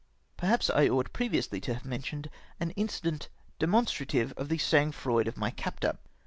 Perhaps I ought previously to have mentioned an incident demonstrative of the sang froid of my captor.